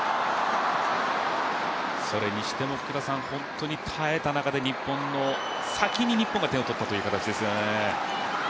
それにしても本当に耐えた中で先に日本が点を取ったという形ですよね。